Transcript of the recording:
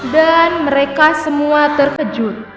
dan mereka semua terkejut